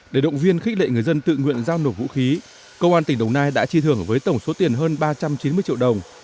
để động viên khích lệ người dân tự nguyện giao nộp vũ khí công an tỉnh đồng nai đã chi thưởng với tổng số tiền hơn ba trăm chín mươi triệu đồng